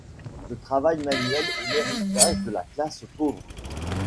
Le travail manuel est l'héritage de la classe pauvre.